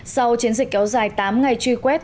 sau chiến dịch kéo dài tám ngày truy quét